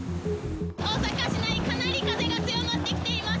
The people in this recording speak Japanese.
大阪市内、かなり風が強まってきています。